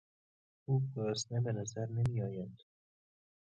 او گرسنه بنظر نمیاید